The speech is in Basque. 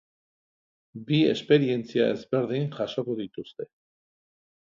Bi esperientzia ezberdin jasoko dituzte.